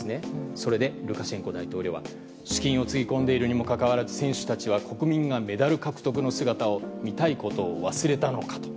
それでルカシェンコ大統領は資金をつぎ込んでいるにもかかわらず、選手たちは、国民がメダル獲得の姿を見たいことを忘れたのかと。